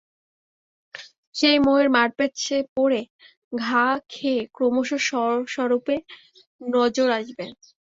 সেই মোহের মারপেঁচে পড়ে ঘা খেয়ে ক্রমশ স্ব-স্বরূপে নজর আসবে।